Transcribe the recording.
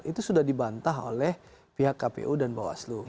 itu sudah dibantah oleh pihak kpu dan bawaslu